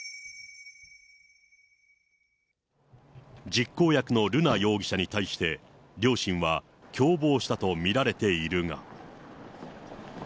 実行役の瑠奈容疑者に対して、両親は共謀したと見られているが。